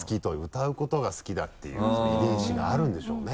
歌うことが好きだっていう遺伝子があるんでしょうね。